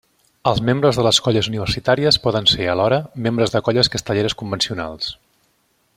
Els membres de les colles universitàries poden ser, alhora, membres de colles castelleres convencionals.